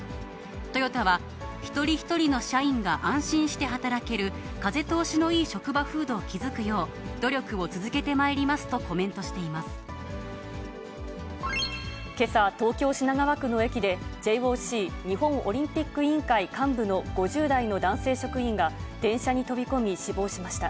トヨタは、一人一人の社員が安心して働ける、風通しのいい職場風土を築くよう、努力を続けてまいりますとコメンけさ、東京・品川区の駅で、ＪＯＣ・日本オリンピック委員会幹部の５０代の男性職員が、電車に飛び込み、死亡しました。